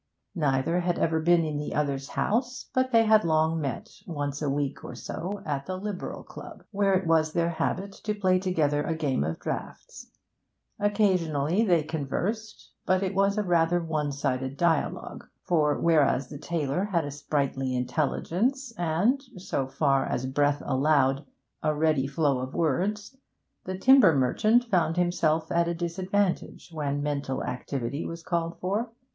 Neither had ever been in the other's house, but they had long met, once a week or so, at the Liberal Club, where it was their habit to play together a game of draughts. Occasionally they conversed; but it was a rather one sided dialogue, for whereas the tailor had a sprightly intelligence and so far as his breath allowed a ready flow of words, the timber merchant found himself at a disadvantage when mental activity was called for.